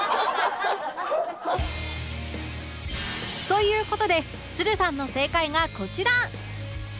という事でつるさんの正解がこちら